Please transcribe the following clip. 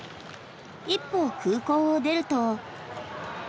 一歩、空港を出ると。